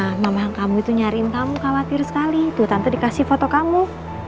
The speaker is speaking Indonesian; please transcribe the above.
nah mama kamu itu nyariin kamu khawatir sekali tuh tante dikasih foto kamu